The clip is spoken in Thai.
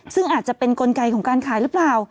ซึ่งอาจจะเป็นกลไกของการขายหรือเปล่า